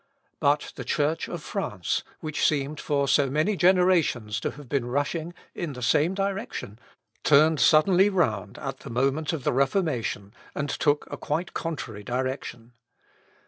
But the Church of France, which seemed for so many generations to have been rushing in the same direction, turned suddenly round at the moment of the Reformation, and took quite a contrary direction.